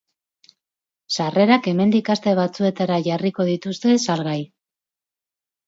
Sarrerak hemendik aste batzuetara jarriko dituzte salgai.